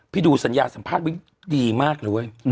พี่ดูสัญญาสัมภาษณ์ไว้ดีมากเลย